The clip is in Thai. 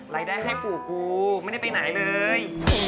รายได้ให้ปู่กูไม่ได้ไปไหนเลย